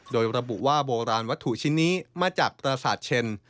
โดยระบุว่าโบราณวัตถุชิ้นนี้มาจากประสาทเชน